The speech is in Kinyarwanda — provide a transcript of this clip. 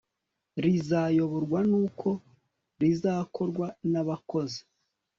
rizayoborwa n uko rizakorwa nabakozi